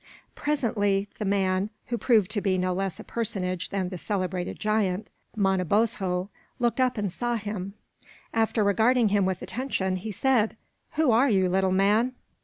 Presently the man, who proved to be no less a personage than the celebrated giant, Manabozho, looked up and saw him. After regarding him with attention, he said: "Who are you, little man?